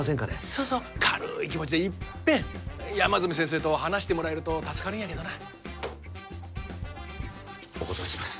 そうそう軽い気持ちで一遍山住先生と話してもらえると助かるんやけどなお断りします